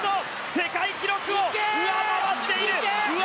世界記録を上回っている！